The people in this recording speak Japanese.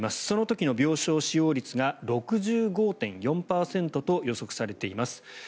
その時の病床使用率が６５．４％と予測されています。